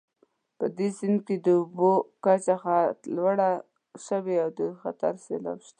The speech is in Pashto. په دې سیند کې د اوبو کچه ډېره لوړه شوې د سیلاب خطر شته